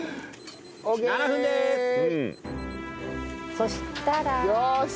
そしたら？